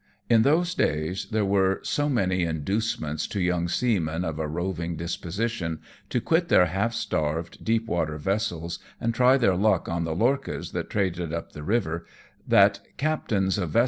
In those days there iwere so many inducements to young seamen, of a roving disposition, to quit their half starved, deep water vessels, and try their luck on the lorchas that traded up the river, that captains of 246 AMONG TYPHOONS AND PIRATE CRAFT.